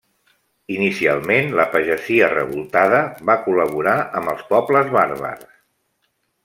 Inicialment la pagesia revoltada va col·laborar amb els pobles bàrbars.